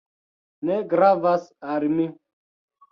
Ne gravas al mi.